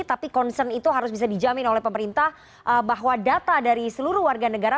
tapi concern itu harus bisa dijamin oleh pemerintah bahwa data dari seluruh warga negara